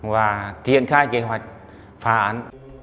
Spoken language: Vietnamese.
và triển khai kế hoạch phá án